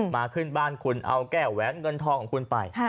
ขึ้นบ้านคุณเอาแก้วแหวนเงินทองของคุณไป